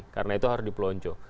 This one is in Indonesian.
karena itu harus dipelonco